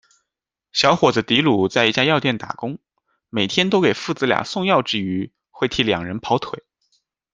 小伙子迪鲁在一家药店打工，每天都给父子俩送药之余，会替两人跑腿。